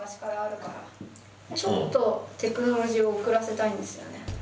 ちょっとテクノロジーを遅らせたいんですよね。